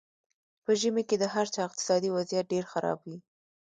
په ژمي کې د هر چا اقتصادي وضیعت ډېر خراب وي.